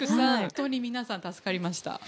本当に皆さん、助かりました。